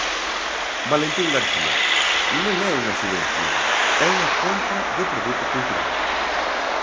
Valentín García: Non é unha subvención, é unha compra de produto cultural.